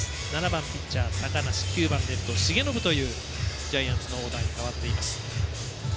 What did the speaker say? ７番ピッチャー、高梨９番レフト、重信というジャイアンツのオーダーに変わっています。